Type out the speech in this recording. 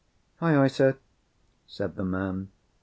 "Ay, ay, sir," said the man.